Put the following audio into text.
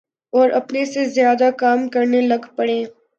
اوراپنے سے زیادہ کام کرنے لگ پڑیں۔